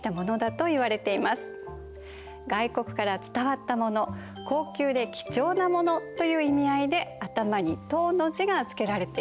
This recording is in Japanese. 外国から伝わったもの高級で貴重なものという意味合いで頭に「唐」の字が付けられているんですね。